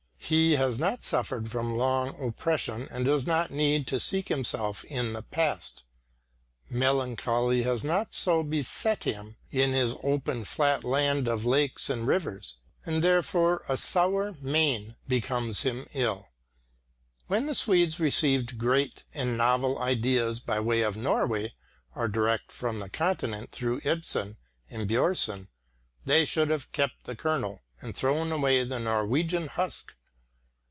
He has not suffered from long oppression and does not need to seek himself in the past; melancholy has not so beset him in his open flat land of lakes and rivers, and therefore a sour mien becomes him ill. When the Swedes received great and novel ideas by way of Norway or direct from the Continent through Ibsen and Björnson, they should have kept the kernel and thrown away the Norwegian husk.